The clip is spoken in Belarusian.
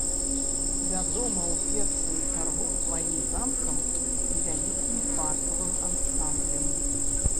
Вядома ў першую чаргу сваім замкам і вялікім паркавым ансамблем.